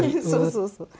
そうそうそう。